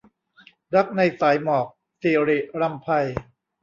รักในสายหมอก - ศิริรำไพ